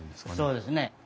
そうですね。